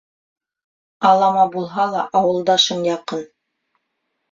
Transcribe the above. Алама булһа ла ауылдашың яҡын.